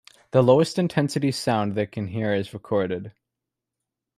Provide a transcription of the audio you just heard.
The lowest intensity sound they can hear is recorded.